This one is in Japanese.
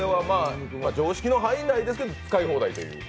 常識の範囲内ですけど使い放題と。